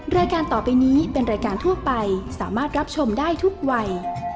รายการต่อไปนี้เป็นรายการทั่วไปสามารถรับชมได้ทุกวัย